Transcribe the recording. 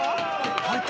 入った。